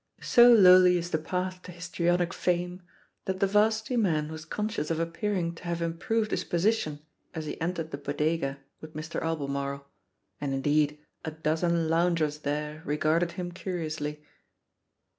So lowly is the path to histrionic fame that the Varsity man was conscious of appearing to have improved his position as he entered the Bodega with Mr. Albemarle. And, indeed, a dozen loungers there regarded him curiously.